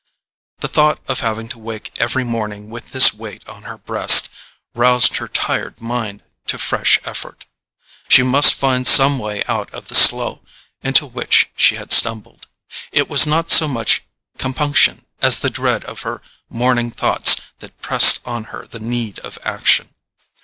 The thought of having to wake every morning with this weight on her breast roused her tired mind to fresh effort. She must find some way out of the slough into which she had stumbled: it was not so much compunction as the dread of her morning thoughts that pressed on her the need of action.